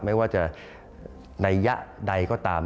ไม่ว่าจะในยะใดก็ตาม